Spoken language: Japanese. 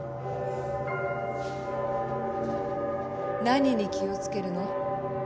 何に気を付けるの？